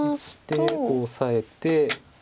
こうオサえて。